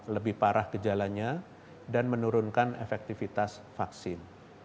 lebih parah gejalanya dan menurunkan efektivitas vaksin